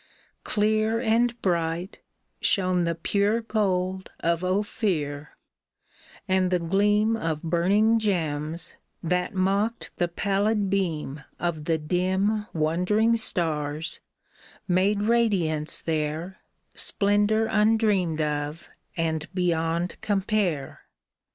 Clear and bright Shone the pure gold of Ophir, and the gleam Of burning gems, that mocked the pallid beam Of the dim, wondering stars, made radiance there, Splendor undreamed of, and beyond compare